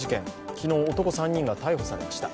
昨日、男３人が逮捕されました。